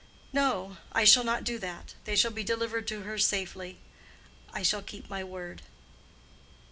"No; I shall not do that. They shall be delivered to her safely. I shall keep my word."